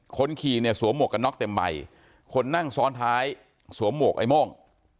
คนขี่เนี่ยสวมหวกกันน็อกเต็มใบคนนั่งซ้อนท้ายสวมหมวกไอ้โม่ง